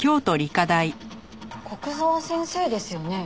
古久沢先生ですよね？